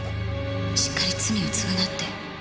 しっかり罪を償って